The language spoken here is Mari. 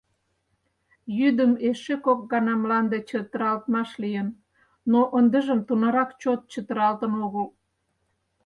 Йӱдым эше кок гана мланде чытыралтмаш лийын, но ындыжым тунарак чот чытыралтын огыл.